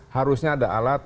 harusnya ada alat